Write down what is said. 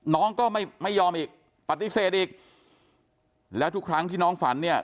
น้องก็ไม่ไม่ยอมอีกปฏิเสธอีกแล้วทุกครั้งที่น้องฝันเนี่ย